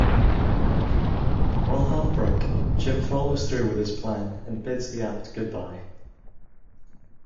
While heartbroken, Jim follows through with his plan and bids the act goodbye.